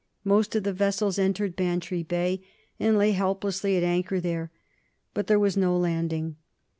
Most of the vessels entered Bantry Bay and lay helplessly at anchor there, but there was no landing.